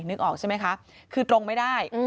นึกออกใช่ไหมคะคือตรงไม่ได้